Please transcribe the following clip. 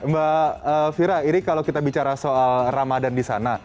mbak fira ini kalau kita bicara soal ramadan di sana